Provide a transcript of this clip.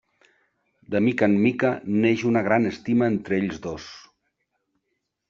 De mica en mica neix una gran estima entre ells dos.